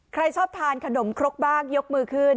ใครชอบทานขนมครกบ้างยกมือขึ้น